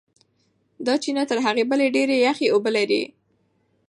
دا چینه تر هغې بلې ډېرې یخې اوبه لري.